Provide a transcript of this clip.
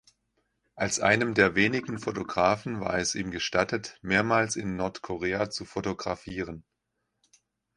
Als einem der wenigen Fotografen war es ihm gestattet, mehrmals in Nordkorea zu fotografieren.